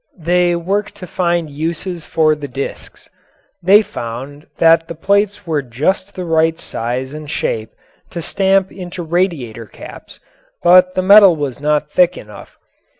They worked to find uses for the discs. They found that the plates were just the right size and shape to stamp into radiator caps but the metal was not thick enough.